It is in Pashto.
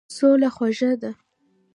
سوله خوږه ده.